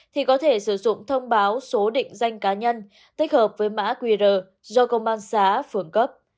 thì có thể sử dụng thông báo số định danh cá nhân tích hợp với mã qr do công an xã phường cấp